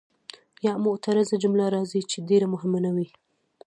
یا معترضه جمله راځي چې ډېره مهمه نه وي.